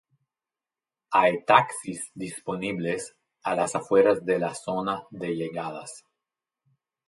Hay taxis disponibles a las afueras de la zona de llegadas.